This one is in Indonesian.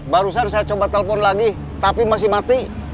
barusan saya coba telpon lagi tapi masih mati